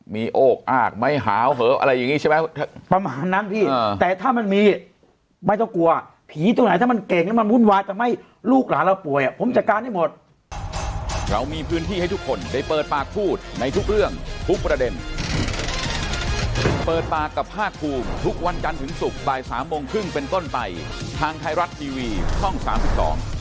มีโอ้กอ้ากไม้หาวเหอะอะไรอย่างนี้ใช่ไหมประมาณนั้นพี่แต่ถ้ามันมีไม่ต้องกลัวผีตัวไหนถ้ามันเก่งแล้วมันวุ่นวายจะไม่ลูกหลานเราป่วยผมจะการให้หมด